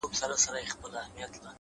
ما درته وژړل ـ ستا نه د دې لپاره ـ